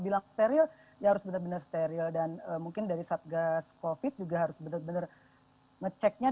bilang steril ya harus benar benar steril dan mungkin dari satgas covid juga harus benar benar ngeceknya